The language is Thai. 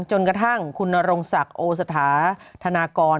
จนกระทั่งคุณนรงศักดิ์โอสถานธนากร